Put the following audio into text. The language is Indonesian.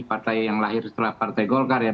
partai yang lahir setelah partai golkar ya